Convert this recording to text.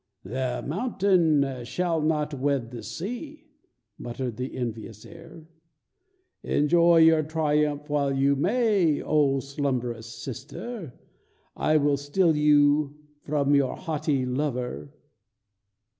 "The mountain shall not wed the sea," muttered the envious air. "Enjoy your triumph while you may, O slumberous sister; I will steal you from your haughty lover!"